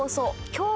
今日